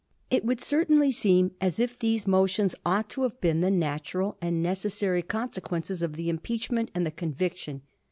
It would certainly seem as if these motions ought to have been the natural and necessary con sequence of the impeachment and the conviction.